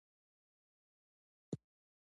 مظروفیت علاقه؛ مظروف ذکر سي او مراد ځني ظرف يي.